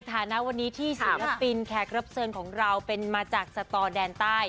ฐานะวันนี้ที่ศิลปินแขกรับเชิญของเราเป็นมาจากสตอแดนใต้